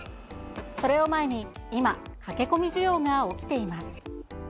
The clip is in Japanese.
それを前に今、駆け込み需要が起きています。